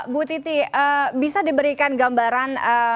bu titi bisa diberikan gambaran